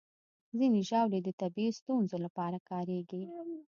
ځینې ژاولې د طبي ستونزو لپاره کارېږي.